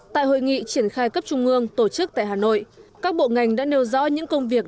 tại hội nghị triển khai cấp trung ương tổ chức tại hà nội các bộ ngành đã nêu rõ những công việc